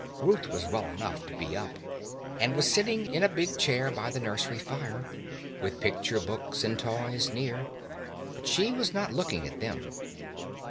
Ruth was well enough to be up, and was sitting in a big chair by the nursery fire, with picture books and toys near; but she was not looking at them.